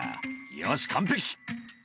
「よし完璧！」